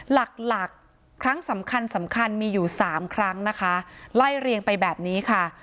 หลักหลักครั้งสำคัญสำคัญมีอยู่สามครั้งนะคะไล่เรียงไปแบบนี้ค่ะ